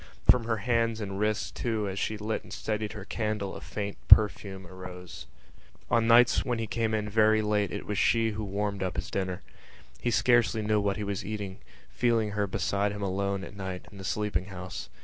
From her hands and wrists too as she lit and steadied her candle a faint perfume arose. On nights when he came in very late it was she who warmed up his dinner. He scarcely knew what he was eating, feeling her beside him alone, at night, in the sleeping house.